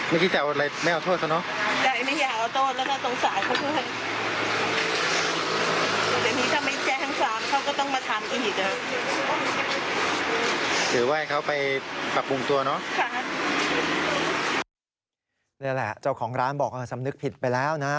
นี่แหละเจ้าของร้านบอกว่าสำนึกผิดไปแล้วนะ